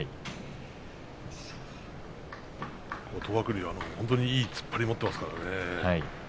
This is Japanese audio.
東白龍は、本当にいい突っ張りを持っています。